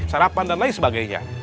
sarapan dan lain sebagainya